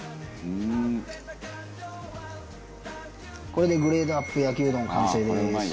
これでグレードＵＰ焼きうどん完成です。